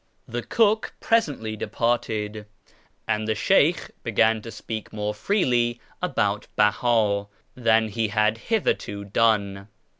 The cook presently departed, and the Sheykh began to speak more freely about Beha than he had hitherto done.